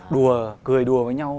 đùa cười đùa với nhau